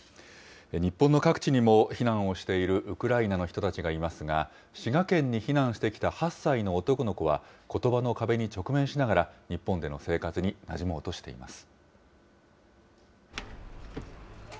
日本の各地にも避難をしているウクライナの人たちがいますが、滋賀県に避難してきた８歳の男の子は、ことばの壁に直面しながら、日本での生活になじもうとしています。